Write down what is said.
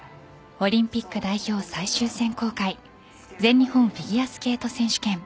オリンピック代表最終選考会全日本フィギュアスケート選手権。